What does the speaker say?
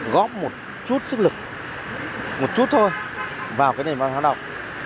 góp một chút sức lực một chút thôi vào cái này văn hóa đọc